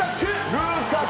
ルーカス。